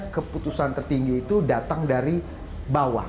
keputusan tertinggi itu datang dari bawah